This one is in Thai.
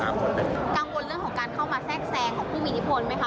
กังวลเรื่องของการเข้ามาแทรกแซงของผู้มีอิทธิพลไหมคะ